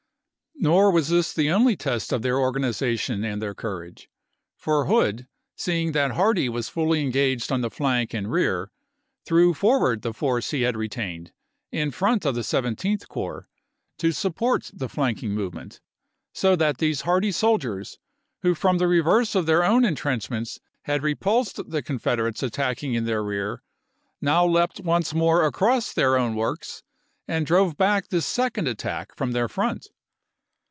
Nor was this the only test of their organization and their courage; for Hood, seeing that Hardee was fully engaged on the flank and rear, threw forward the force he had retained, in front of the Seven teenth Corps, to support the flanking movement ; so that these hardy soldiers, who from the reverse of their own intrenchments had repulsed the Confeder ates attacking in their rear, now leaped once more across their own works and drove back this second attack from their front.